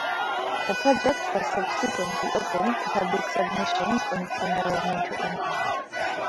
The project was subsequently opened to public submissions on its environmental impact.